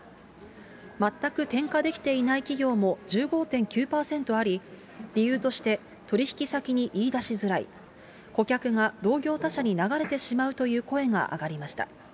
全く転嫁できていない企業も１５．９％あり、理由として、取り引き先に言い出しづらい、顧客が同業他社に流れてしまうという声が上がりました。